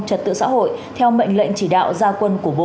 trật tự xã hội theo mệnh lệnh chỉ đạo gia quân của bộ